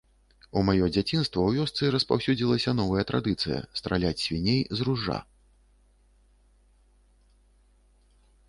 У маё дзяцінства ў вёсцы распаўсюдзілася новая традыцыя страляць свіней з ружжа.